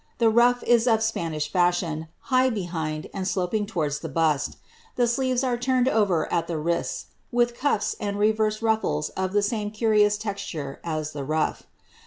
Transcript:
The ruff is of the Spanish fashion, high behind, and sloping towards the bust The sleeves are turned over at the wrists, with cuffs and reversed ruffles of the same curioas texture as the ruff.